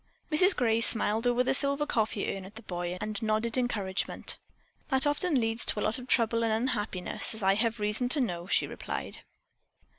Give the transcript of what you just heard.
Mrs Gray smiled over the silver coffee urn at the boy and nodded encouragement. "That often leads to a lot of trouble and unhappiness, as I have reason to know," she replied.